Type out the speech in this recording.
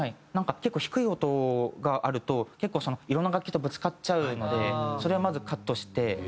なんか結構低い音があると結構いろんな楽器とぶつかっちゃうのでそれをまずカットして。